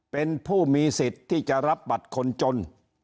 เป็นผู้มีสิทธิ์ที่จะรับบัตรคนจน